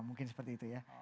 mungkin seperti itu ya